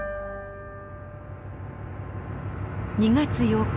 ２月８日。